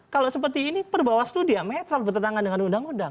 kalau seperti ini perbawaslu diametral bertentangan dengan undang undang